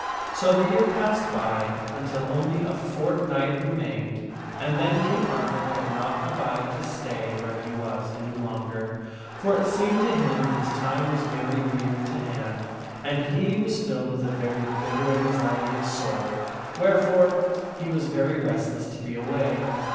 So the year passed by, until only a fortnight remained ; and then King Arthur could not abide to stay where he was any longer, for it seemed to him his time was very near to hand, and he was filled with a very bitter anxiety of soul, wherefore he was very restless to be away.